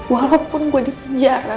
walaupun gue di penjara